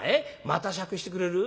また酌してくれる？